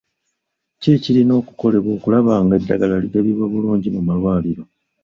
Ki ekirina okukolebwa okulaba nga eddagala ligabibwa bulungi mu malwaliro?